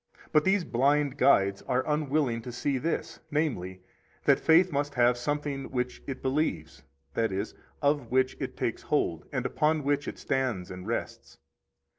29 But these blind guides are unwilling to see this, namely, that faith must have something which it believes, that is, of which it takes hold, and upon which it stands and rests.